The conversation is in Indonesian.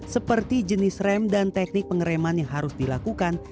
seperti jenis rem dan teknik pengereman yang harus dilakukan